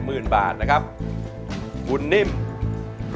กุณนิ่มรสที่๒ที่๕มูลค่า๘๐๐๐๐บาท